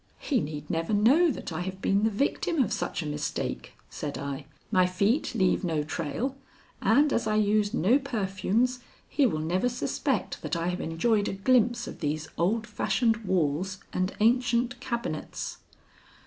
"He need never know that I have been the victim of such a mistake," said I. "My feet leave no trail, and as I use no perfumes he will never suspect that I have enjoyed a glimpse of these old fashioned walls and ancient cabinets."